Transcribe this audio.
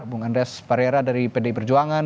bung andres parera dari pdi perjuangan